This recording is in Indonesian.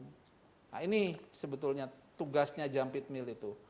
nah ini sebetulnya tugasnya jump it mill itu